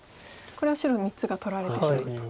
これは白３つが取られてしまうと。